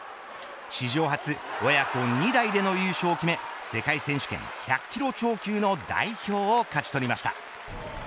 史上初、親子２代での優勝を決め世界選手権１００キロ超級の代表を勝ち取りました。